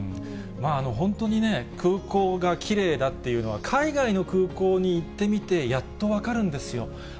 本当にね、空港がきれいだっていうのは、海外の空港に行ってみて、やっと分かるんですよ。